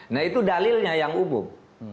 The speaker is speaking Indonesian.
nah itu dalilnya yang umum